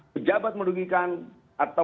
pejabat mendugikan atau